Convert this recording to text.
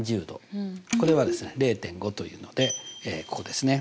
これはですね０．５というのでここですね。